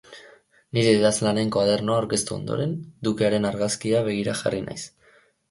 Nire idazlanen koadernoa aurkeztu ondoren, Ducearen argazkiari begira jarri naiz.